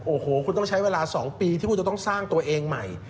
โอ้โหคุณต้องใช้เวลา๒ปีที่คุณจะต้องสร้างตัวเองใหม่